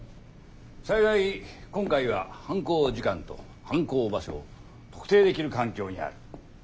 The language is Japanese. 幸い今回は犯行時間と犯行場所を特定できる環境にある。